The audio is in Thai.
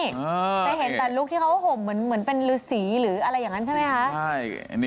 จะเห็นแต่ลุคที่เขาห่มเหมือนเป็นฤษีหรืออะไรอย่างนั้นใช่ไหมคะ